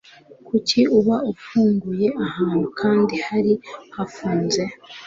kuki uba ufunguye ahantu kandi hari hafunze?